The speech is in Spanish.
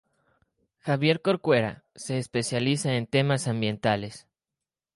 Javier Corcuera se especializa en temas ambientales.